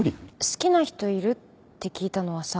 「好きな人いる？」って聞いたのはさ